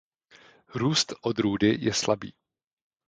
Růst odrůdy je slabý.